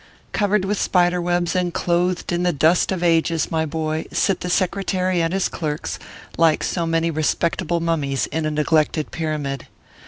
Covered with spider webs, and clothed in the dust of ages, my boy, sit the Secretary and his clerks, like so many respectable mummies in a neglected pyramid.